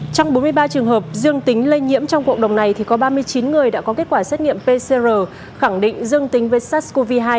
trong bốn mươi ba trường hợp dương tính lây nhiễm trong cộng đồng này có ba mươi chín người đã có kết quả xét nghiệm pcr khẳng định dương tính với sars cov hai